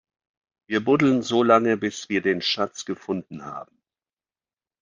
Wir buddeln so lange, bis wir den Schatz gefunden haben!